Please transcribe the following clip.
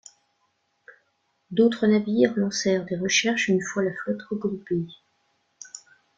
D'autres navires lancèrent des recherches une fois la flotte regroupée.